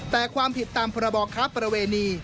แต่ความผิดตามพรบค้าประเวณี